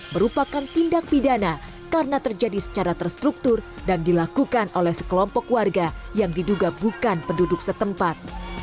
merupakan tindak pidana karena terjadi secara terstruktur dan dilakukan oleh sekelompok warga yang diduga bukan penduduk setempat